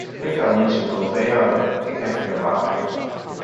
Ik kan niet zoveel vee houden, ik heb geen water.